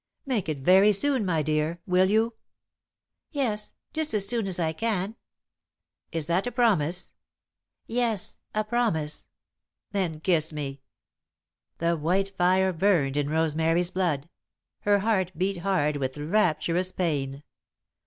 "Make it very soon, my dear, will you?" "Yes just as soon as I can." "Is that a promise?" "Yes a promise." "Then kiss me." [Sidenote: Half Afraid] The white fire burned in Rosemary's blood; her heart beat hard with rapturous pain.